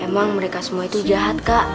mereka semua jahat